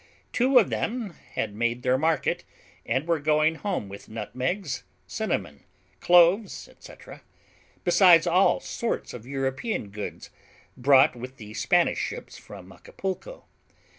Two of them had made their market, and were going home with nutmegs, cinnamon, cloves, &c., besides all sorts of European goods, brought with the Spanish ships from Acapulco.